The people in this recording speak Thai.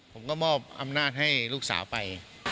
ผมก็มอบอำนาจให้ลูกสาวไป